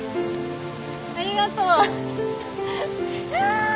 ありがとう。わい！